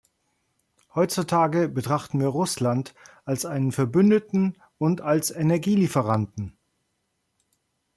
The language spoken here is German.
Heutzutage betrachten wir Russland als einen Verbündeten und als Energielieferanten.